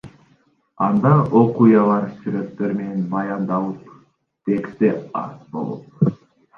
Анда окуялар сүрөттөр менен баяндалып, тексти аз болот.